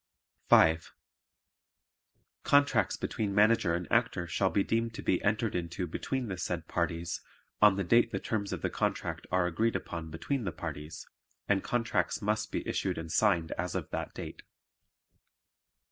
5. Contracts between Manager and Actor shall be deemed to be entered into between the said parties on the date the terms of the contract are agreed upon between the parties, and contracts must be issued and signed as of that date.